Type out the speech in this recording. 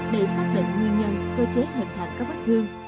để xác định nguyên nhân cơ chế hình thành các bất thường